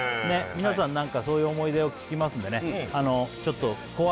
皆さん何かそういう思い出を聞きますんでね